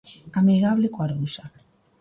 Amigable co Arousa.